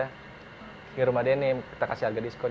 ini rumah denim kita kasih harga diskon